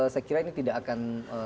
saya kira ini tidak akan